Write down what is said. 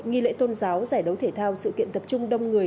nghi lễ tôn giáo giải đấu thể thao sự kiện tập trung đông người